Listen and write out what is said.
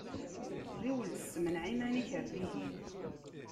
Ɣiwel, ssemneɛ iman-ik ɣer dihin.